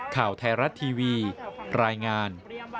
ข่าวไทยรัฐทีวีรายงาน